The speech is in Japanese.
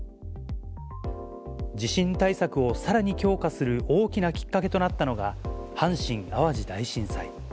地震対策をさらに強化する大きなきっかけとなったのが、阪神・淡路大震災。